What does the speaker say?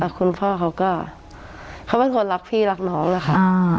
เล่าค่ะคุณพ่อเขาก็เขาเป็นคนรักพี่รักน้องค่ะ